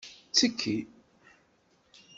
Ttekki!